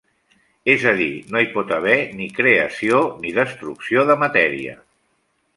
És a dir, no hi pot haver ni creació ni destrucció de matèria.